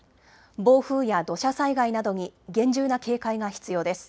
暴風や土砂災害などに厳重な警戒が必要です。